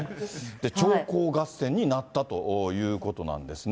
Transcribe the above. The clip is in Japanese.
長考合戦になったということなんですね。